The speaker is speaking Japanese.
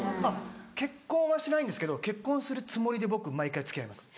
結婚はしないんですけど結婚するつもりで僕毎回付き合います。